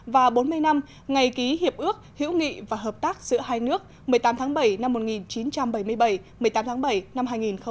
và bốn mươi năm ngày ký hiệp ước hữu nghị và hợp tác giữa hai nước một mươi tám tháng bảy năm một nghìn chín trăm bảy mươi bảy một mươi tám tháng bảy năm hai nghìn một mươi chín